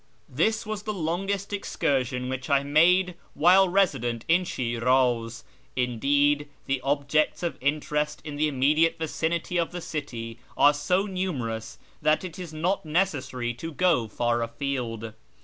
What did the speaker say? This was the longest excursion which I made while resident in Shiraz. Indeed the objects of interest in the immediate vicinity of the city are so numerous that it is not necessary to go far afield.